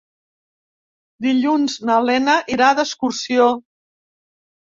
Dilluns na Lena irà d'excursió.